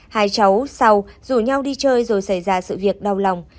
hai cháu sau rủ nhau đi chơi rồi xảy ra sự việc đau lòng